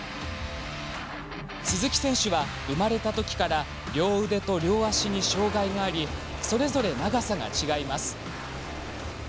鈴木選手は生まれたときから両腕と両足に障がいがありそれぞれ、長さが違います。